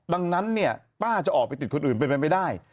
ดังนั้นเนี่ยป้าจะออกไปติดคนอื่นเป็นไปไม่ได้